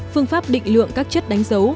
phương pháp định lượng các chất đánh dấu